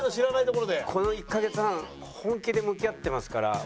この１カ月半本気で向き合ってますから尾形さんが。